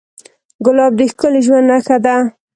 ګلاب د ښکلي ژوند نښه ده.